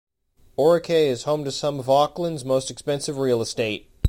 Orakei is home to some of Auckland's most expensive real estate.